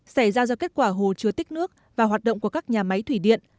xảy ra do kết quả hồ chứa tích nước và hoạt động của các nhà máy thủy điện